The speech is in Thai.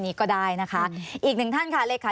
มีความรู้สึกว่ามีความรู้สึกว่า